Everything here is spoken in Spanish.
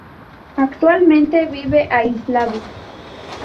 Actualmente vive aislado.